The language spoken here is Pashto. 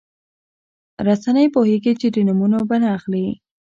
رسنۍ پوهېږي چې د نومونه به نه اخلي.